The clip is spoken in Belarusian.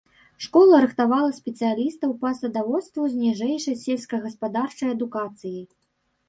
Школа рыхтавала спецыялістаў па садаводству з ніжэйшай сельскагаспадарчай адукацыяй.